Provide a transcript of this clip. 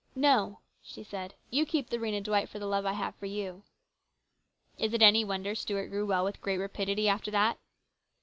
No," she said, " you keep the Rhena Dwight for the love I have for you." Is it any wonder Stuart grew well with great rapidity after that